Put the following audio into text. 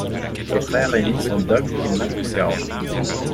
Ses frères aînés sont Doug et Matt McGowan.